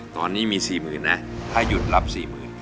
ตอนนี้มีสี่หมื่นนะถ้าหยุดรับสี่หมื่น